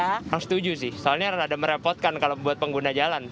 nggak setuju sih soalnya rada merepotkan kalau buat pengguna jalan